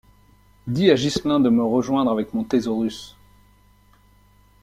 Dis à Ghislain de me rejoindre avec mon Thésaurus.